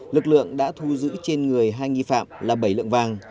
lực lượng đã thu giữ trên người hai nghi phạm là bảy lượng vàng